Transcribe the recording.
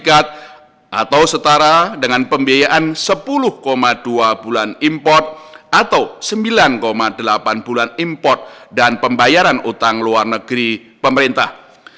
atau setara dengan pembiayaan sepuluh dua bulan import atau sembilan delapan bulan import dan pembayaran utang luar negeri pemerintah